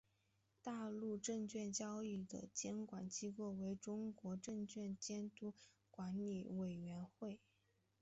大陆证券交易的监管机构为中国证券监督管理委员会。